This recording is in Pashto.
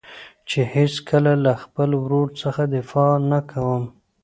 چې هېڅکله له خپل ورور څخه دفاع نه کوم.